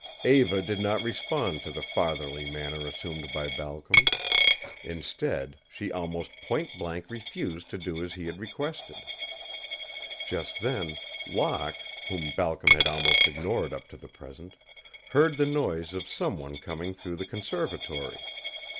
Eva did not respond to the fatherly manner assumed by Balcom. Instead she almost point blank refused to do as he had requested. Just then Locke, whom Balcom had almost ignored up to the present, heard the noise of some one coming through the conservatory.